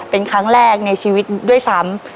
เป็นครั้งแรกในชีวิตด้วยซ้ำ